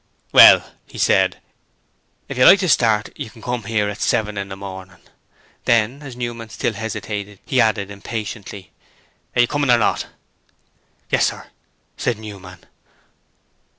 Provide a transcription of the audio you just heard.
'Well,' he said, 'if you like to start you can come here at seven in the morning.' Then as Newman still hesitated he added impatiently, 'Are you coming or not?' 'Yes, sir,' said Newman.